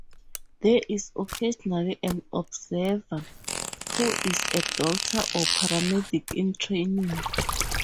There is occasionally an observer, who is a doctor or paramedic in training.